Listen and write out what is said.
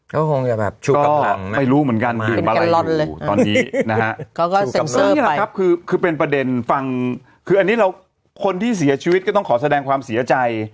ก็คงจะแบบฉุกกระพงไม่รู้เหมือนกันตอนนี้นะฮะคือคือเป็นประเด็นฟังคืออันนี้เราคนที่เสียชีวิตก็ต้องขอแสดงความเสียใจ